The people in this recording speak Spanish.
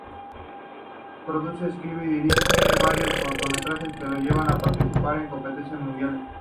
Produce, escribe y dirige varios cortometrajes que lo llevan a participar en competencias mundiales.